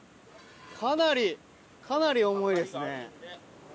かなりかなり重いですね。